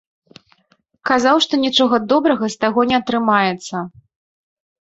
Казаў, што нічога добрага з таго не атрымаецца.